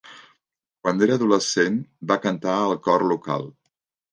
Quan era adolescent va cantar al cor local.